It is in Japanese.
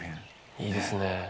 いいですね。